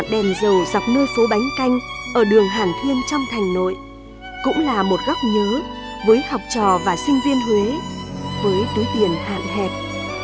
đèn dầu dọc nơi phố bánh canh ở đường hàng thiên trong thành nội cũng là một góc nhớ với học trò và sinh viên huế với túi tiền hạn hẹp